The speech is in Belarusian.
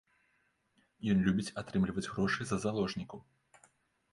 Ён любіць атрымліваць грошы за заложнікаў.